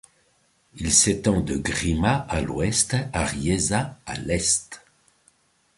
Il s'étend de Grimma à l'ouest à Riesa à l'est.